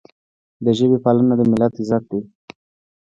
د ژبې پالنه د ملت عزت دی.